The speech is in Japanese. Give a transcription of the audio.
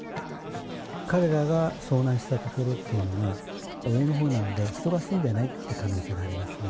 彼らが遭難した所っていうのは、上のほうなんで、人が住んでないって可能性がありますね。